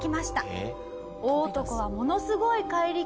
えっ？